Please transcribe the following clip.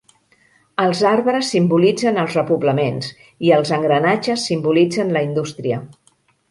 Els arbres simbolitzen els repoblaments i els engranatges simbolitzen la indústria.